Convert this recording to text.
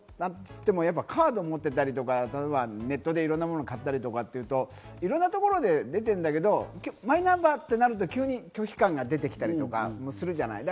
マイナンバーで個人情報っていっても、カード持ってたりとか、ネットでいろんなもの買ったりっていうと、いろんなところで出てるけど、マイナンバーとなると急に拒否感が出てきたりするじゃない。